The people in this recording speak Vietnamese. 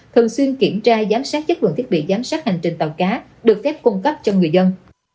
thường xuyên kiểm tra giám sát chất lượng thiết bị giám sát hành trình tàu cá được phép cung cấp cho người dân